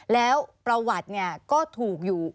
แล้วประวัติก็ถูกอยู่